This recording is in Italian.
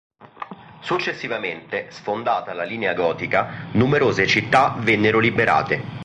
Successivamente, sfondata la Linea Gotica, numerose città vennero liberate.